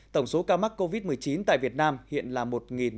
tổng số ca mắc covid một mươi chín tại việt nam hiện là một một trăm linh bảy ca